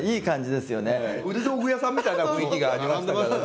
古道具屋さんみたいな雰囲気がありましたからね。